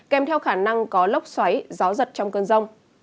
kèm theo khả năng có lốc xoáy gió giật trong cơn rông